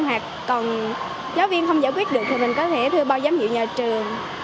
hoặc còn giáo viên không giải quyết được thì mình có thể thư bao giám dịu nhà trường